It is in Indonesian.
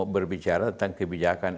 berbicara tentang kebijakan